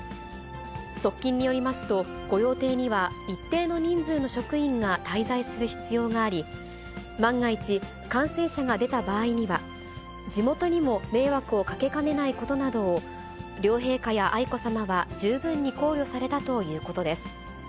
側近によりますと、御用邸には一定の人数の職員が滞在する必要があり、万が一、感染者が出た場合には、地元にも迷惑をかけかねないことなどを両陛下や愛子さまは十分に考慮されたということです。